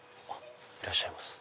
いらっしゃいます。